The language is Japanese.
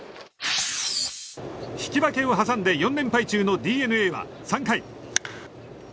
引き分けを挟んで４連敗中のＤｅＮＡは３回。